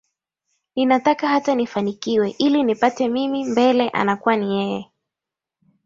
ninataka hata nifanikiwe ili nipate mimi mbele anakua ni yeye